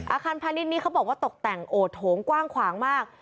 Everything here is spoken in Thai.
อาคารพาณิชย์นี้เขาบอกว่าตกแต่งโอดโถงกว้างขวางมาก